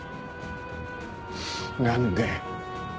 何で。